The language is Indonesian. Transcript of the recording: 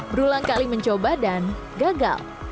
berulang kali mencoba dan gagal